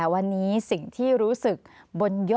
สวัสดีครับทุกคน